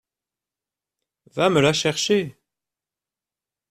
Va me la chercher !…